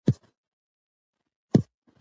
د ځینو کړیو هدف یوازې خپلې ګټې زیاتول دي.